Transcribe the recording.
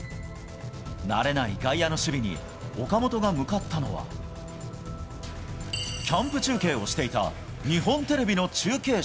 慣れない外野の守備に、岡本が向かったのは、キャンプ中継をしていた日本テレビの中継車。